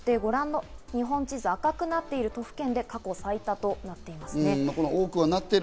日本地図、赤くなっている都府県、過去最多となっています。